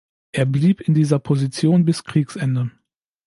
Er blieb in dieser Position bis Kriegsende.